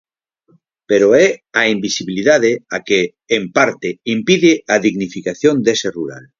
Pero é a invisibilidade a que, en parte, impide a dignificación dese rural.